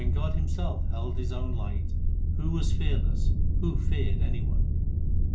When God Himself held His own light, Who was fearless, who feared any one ?